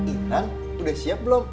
intan udah siap belum